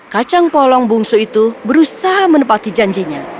kacang polong bungsu itu berusaha menepati janjinya